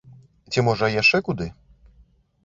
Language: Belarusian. Ці, можа яшчэ куды?